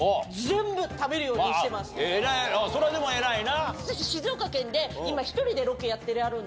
それはでも偉いな。